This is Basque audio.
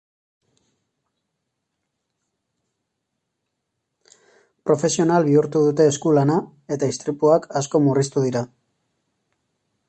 Profesional bihurtu dute eskulana eta istripuak asko murriztu dira.